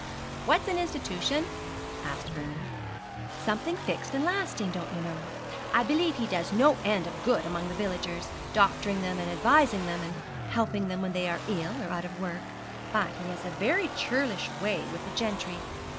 'What's an institution?' asked Vernon. 'Something fixed and lasting, don't you know. I believe he does no end of good among the villagers doctoring them, and advising them, and helping them when they are ill or out of work; but he has a very churlish way with the gentry.